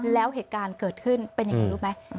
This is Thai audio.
แล้วเหตุการณ์เกิดขึ้นเป็นยังไงรู้ไหม